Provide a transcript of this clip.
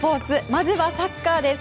まずはサッカーです。